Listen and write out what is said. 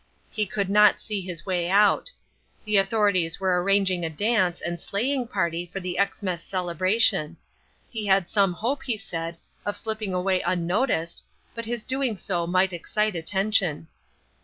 He could not see his way out. The authorities were arranging a dance and sleighing party for the Xmas celebration. He had some hope, he said, of slipping away unnoticed, but his doing so might excite attention.